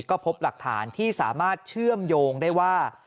ก็พบหลักฐานที่สามารถเชื่อมโยงได้ว่า